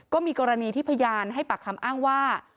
ก็มีกรณีที่พยานให้ปากคำอ้างว่า